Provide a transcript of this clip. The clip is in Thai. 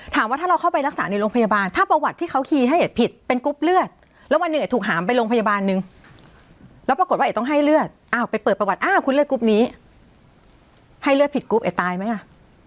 ถามว่าถ้าเราเข้าไปรักษาในโรงพยาบาลถ้าประวัติที่เขาคีย์ให้เอกผิดเป็นกรุ๊ปเลือดแล้ววันหนึ่งไอถูกหามไปโรงพยาบาลนึงแล้วปรากฏว่าเอกต้องให้เลือดอ้าวไปเปิดประวัติอ้าวคุณเลือดกรุ๊ปนี้ให้เลือดผิดกรุ๊ปเอ๋ตายไหมอ่ะ